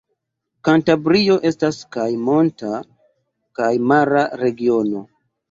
Kantabrio estas kaj monta kaj mara regiono.